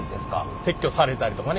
撤去されたりとかね。